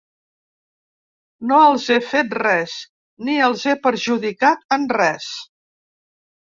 No els he fet res ni els he perjudicat en res.